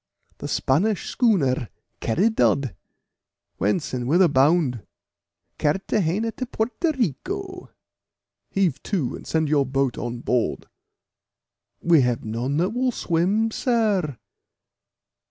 "The Spanish schooner Caridad." "Whence, and whither bound?" "Carthagena to Porto Rico." "Heave to, and send your boat on board." "We have none that will swim, sir."